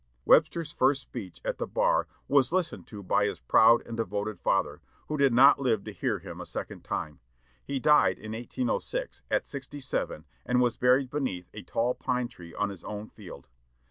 Webster's first speech at the bar was listened to by his proud and devoted father, who did not live to hear him a second time. He died in 1806, at sixty seven, and was buried beneath a tall pine tree on his own field.